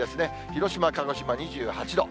広島、鹿児島２８度。